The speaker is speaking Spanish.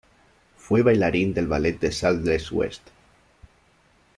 Fue bailarín del Ballet del Sadler's West.